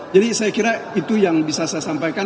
jadi saya kira itu yang bisa saya sampaikan